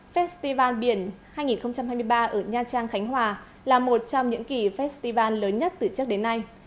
festival biển hai nghìn hai mươi ba ở nha trang khánh hòa là một trong những kỳ festival lớn nhất từ trước đến nay